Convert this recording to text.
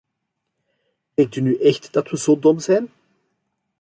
Denkt u nu echt dat we zo dom zijn?